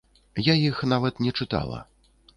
Я іх нават не чытала.